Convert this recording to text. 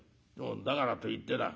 だからといってだ